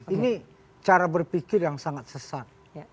ini cara berpikir yang sangat sesat